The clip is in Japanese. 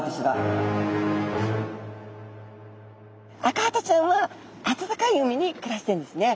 アカハタちゃんはあたたかい海に暮らしてるんですね。